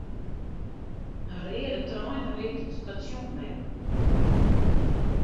In reade trein ried it stasjon binnen.